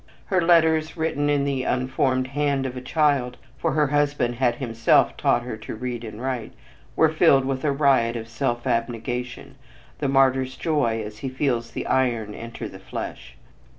Her letters, written in the unformed hand of a child for her husband had himself taught her to read and write were filled with a riot of self abnegation, the martyr's joy as he feels the iron enter the flesh.